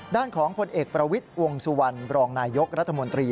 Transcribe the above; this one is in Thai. ด้านของผลเอกประวิทย์วงสุวรรณบรองนายยกรัฐมนตรี